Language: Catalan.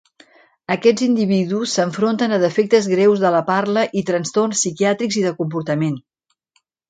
Aquests individus s'enfronten a defectes greus de la parla i trastorns psiquiàtrics i de comportament.